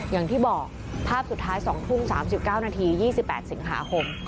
อย่างที่บอกภาพสุดท้าย๒ทุ่ม๓๙นาที๒๘สิงหาคม